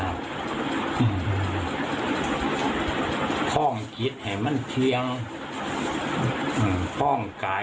คุณผู้ชมค่ะลองดูนิดนึงไหมคะคุณผู้ชมค่ะ